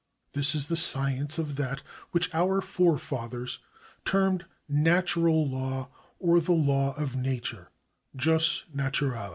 — This is the science of that which our forefathers termed natural law or the law of nature {jus naturale).